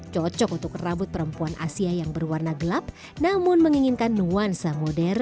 cocok untuk rambut perempuan asia yang berwarna gelap namun menginginkan nuansa modern